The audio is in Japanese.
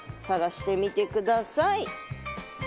探してみてください。